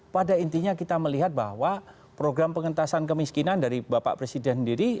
pada intinya kita melihat bahwa program pengentasan kemiskinan dari bapak presiden sendiri